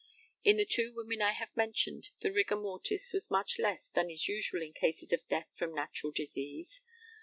In the two women I have mentioned the rigor mortis was much less than is usual in cases of death from natural disease.